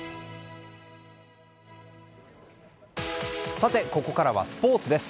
さて、ここからはスポーツです。